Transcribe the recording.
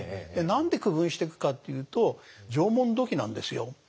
何で区分していくかっていうと縄文土器なんですよ。